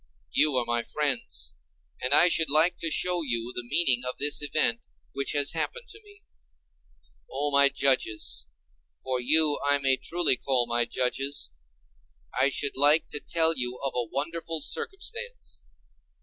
You are my friends, and I should like to show you the meaning of this event which has happened to me. O my judges—for you I may truly call judges—I should like to tell you of a wonderful circumstance.